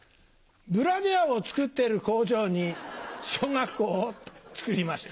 ブラジャーを作ってる工場に小学校を造りました。